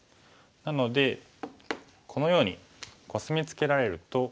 なのでこのようにコスミツケられると。